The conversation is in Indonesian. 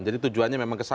jadi tujuannya memang kesana